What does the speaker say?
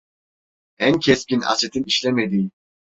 En keskin asitin işlemediği.